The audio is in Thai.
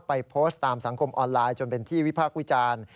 ไปโพสต์ตามสังคมออนไลน์จนเป็นที่วิพากษ์วิจารณ์